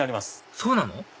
そうなの？